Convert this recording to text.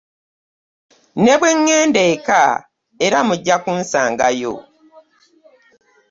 Ne bwe ŋŋenda eka era mujja kunsangayo.